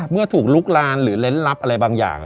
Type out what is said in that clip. เมื่อถูกลุกลานหรือเล่นลับอะไรบางอย่าง